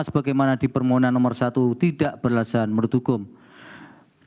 sebagaimana di permohonan nomor satu tidak berlasan berdukung